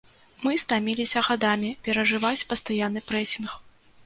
Мы стаміліся гадамі перажываць пастаянны прэсінг.